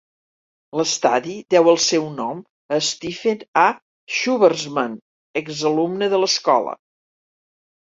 L'estadi deu el seu nom a Stephen A. Schwarzman, exalumne de l'escola.